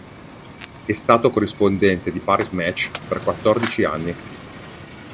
È stato corrispondente di "Paris Match" per quattordici anni.